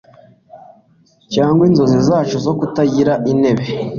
Cyangwa inzozi zacu zo kutagira intebe